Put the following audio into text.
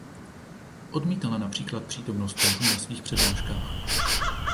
Odmítala například přítomnost mužů na svých přednáškách.